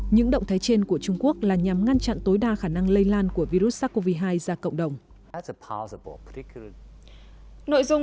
những động thái trên của trung quốc là nhằm ngăn chặn tối đa khả năng lây lan của virus sars cov hai ra cộng đồng